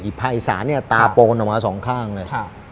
ไอ้ผ้าไอ้สระนี่ตาโปนออกมา๒ข้างเลย